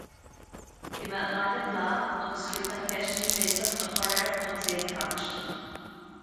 Bhí mé i nGaillimh lá, agus thriail mé ceist mhíbhéasach a chur ar agus é ag caint.